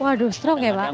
waduh strong ya pak